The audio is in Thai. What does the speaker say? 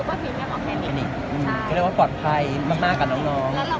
บอกว่ากว่าปลอดภัยมากค่ะน้อง